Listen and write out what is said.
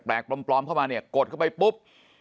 ปลอมเข้ามาเนี่ยกดเข้าไปปุ๊บ